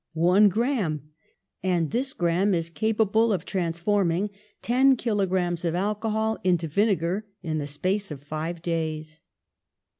One gram, and this gram is capable of transforming ten kilograms of alcohol into vinegar in the space of five days.